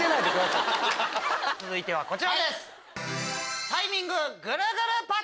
続いてはこちらです。